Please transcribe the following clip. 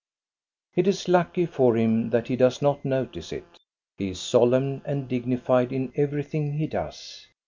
It is lucky for him that he does not notice it. He is solemn and dignified in everything he does.